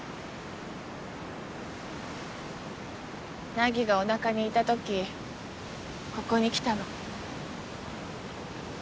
凪がお腹にいた時ここに来たの。